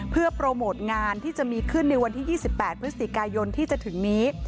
เพื่อโปรโมทงานที่จะมีขึ้นในวันที่๒๘พฤศจิกายนที่จะถึงนี้